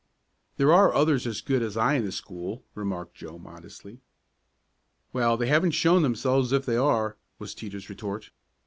"There are others as good as I in the school," remarked Joe modestly. "Well, they haven't shown themselves if there are," was Teeter's retort.